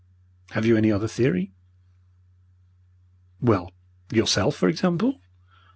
"Have you any other theory?" "Well, yourself, for example.